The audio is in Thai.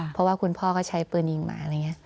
เพราะว่าคุณพ่อก็ใช้ปืนยิงหมา